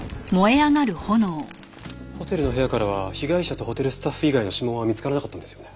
ホテルの部屋からは被害者とホテルスタッフ以外の指紋は見つからなかったんですよね？